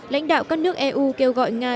lãnh đạo các nước eu kêu gọi nga